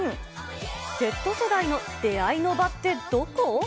Ｚ世代の出会いの場ってどこ？